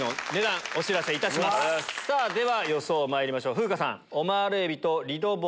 では予想まいりましょう風花さん。